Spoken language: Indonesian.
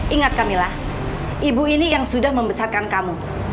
ingat kamilah ibu ini yang sudah membesarkan kamu